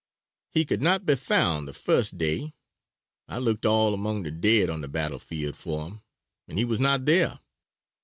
"He could not be found the first day; I looked all among the dead on the battle field for him and he was not there.